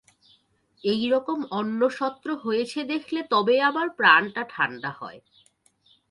এই রকম অন্নসত্র হয়েছে দেখলে তবে আমার প্রাণটা ঠাণ্ডা হয়।